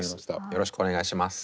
よろしくお願いします。